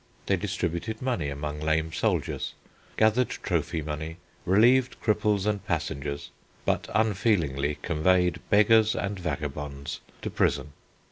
They distributed money among lame soldiers, gathered trophy money, relieved cripples and passengers, but unfeelingly conveyed beggars and vagabonds to prison.